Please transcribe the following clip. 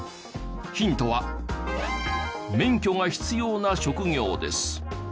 ヒントは免許が必要な職業です。